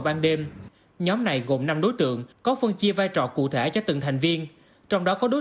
ban đêm nhóm này gồm năm đối tượng có phân chia vai trò cụ thể cho từng thành viên trong đó có đối